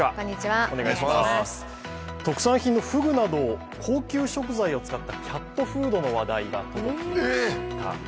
特産品のふぐなど高級食材を使ったキャットフードの話題が届きました。